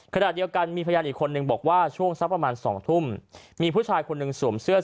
ขณะเดียวกันมีพยานอีกคนนึงบอกว่าช่วงสักประมาณสองทุ่มมีผู้ชายคนหนึ่งสวมเสื้อ